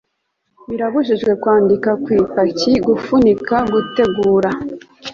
Birabujijwe kwandika ku ipaki gufunika gutegura